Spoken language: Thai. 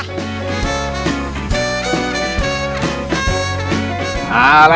เสร็จแล้วนี้ค่ะ